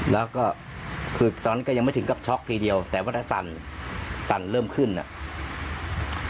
แล้วก็คือตอนนั้นก็ยังไม่ถึงกับช็อกทีเดียวแต่ว่าถ้าสั่นสั่นเริ่มขึ้นอ่ะ